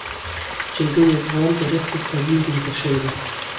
جلګه د افغان تاریخ په کتابونو کې ذکر شوی دي.